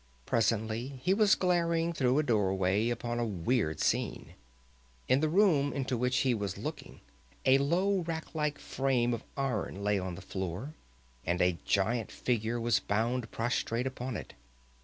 Presently he was glaring through a doorway upon a weird scene. In the room into which he was looking a low rack like frame of iron lay on the floor, and a giant figure was bound prostrate upon it.